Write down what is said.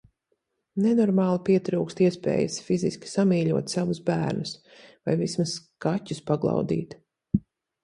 Nenormāli pietrūkst iespējas fiziski samīļot savus bērnus... Vai vismaz kaķus paglaudīt...